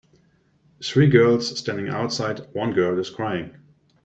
Three girls standing outside, one girl is crying.